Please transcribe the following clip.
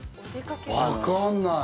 分かんない。